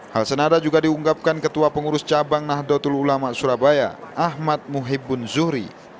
hal senada juga diunggapkan ketua pengurus cabang nahdlatul ulama surabaya ahmad muhibbun zuhri